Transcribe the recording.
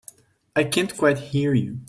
I can't quite hear you.